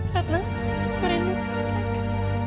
ratna sangat merindukan mereka